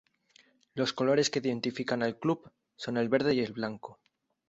Los colores que identifican al club son el verde y el blanco.